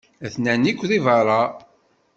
Atenin akk di beṛṛa.